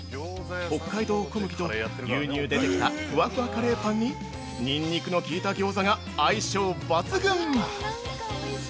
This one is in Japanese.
北海道小麦と牛乳でできたふわふわカレーパンにニンニクの効いた餃子が相性抜群。